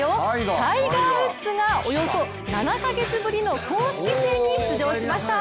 タイガー・ウッズがおよそ７か月ぶりの公式戦に出場しました。